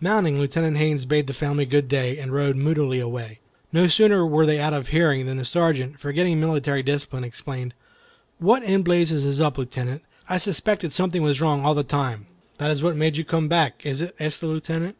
Mounting, Lieutenant Haines bade the family good day, and rode moodily away. No sooner were they out of hearing than the Sergeant, forgetting military discipline, exclaimed, "What in blazes is up, Lieutenant? I suspected something was wrong all the time." "That is what made you come back, is it?" asked the Lieutenant.